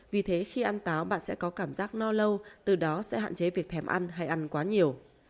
vì thế khi ăn táo bạn sẽ có cảm giác no lâu từ đó sẽ hạn chế việc thèm ăn hay ăn quá nhiều